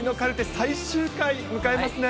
最終回迎えますね。